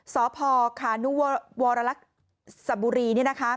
สพขานุวรรลักษบุรี